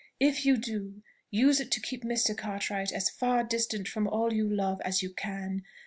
If you do, use it to keep Mr. Cartwright as far distant from all you love as you can.